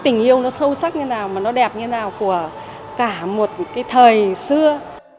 tính là cảm nhận được tình yêu sâu sắc như thế nào mà nó đẹp như thế nào của cả một thời xưa